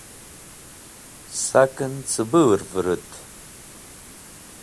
Saken cẽbũr vũrũt.